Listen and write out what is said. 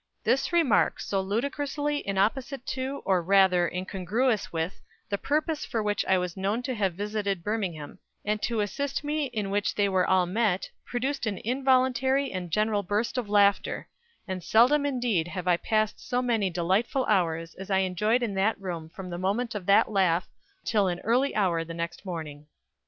This remark, so ludicrously inapposite to, or rather, incongruous with, the purpose for which I was known to have visited Birmingham, and to assist me in which they were all met, produced an involuntary and general burst of laughter; and seldom indeed have I passed so many delightful hours as I enjoyed in that room from the moment of that laugh till an early hour the next morning."